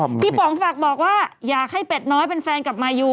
พี่ป๋องฝากบอกว่าอยากให้เป็ดน้อยเป็นแฟนกับมายู